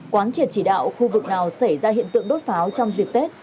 quán triệt chỉ đạo khu vực nào xảy ra hiện tượng đốt pháo trong dịp tết